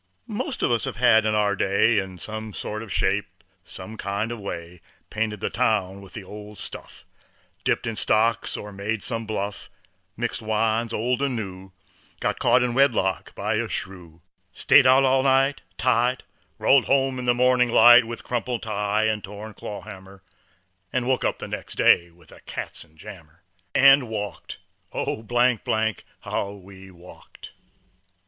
'Most all of us have in our day In some sort of shape, some kind of way Painted the town with the old stuff, Dipped in stocks or made some bluff, Mixed wines, old and new, Got caught in wedlock by a shrew, Stayed out all night, tight, Rolled home in the morning light, With crumpled tie and torn clawhammer, 'N' woke up next day with a katzenjammer, And walked, oh , how we walked.